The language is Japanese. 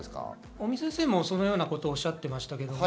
尾身先生もそのようにおっしゃっていました。